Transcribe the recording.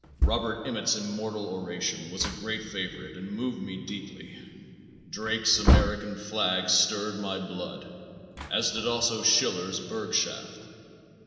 Robert Emmet's immortal oration was a great favorite and moved me deeply. Drake's "American Flag" stirred my blood as did also Schiller's "Burgschaft."